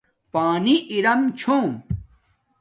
پانی ارام چھوم